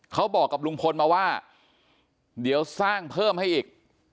เขาบอกกับลุงพลมาว่าเดี๋ยวสร้างเพิ่มให้อีก